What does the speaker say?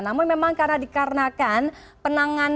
namun memang karena dikarenakan penanganan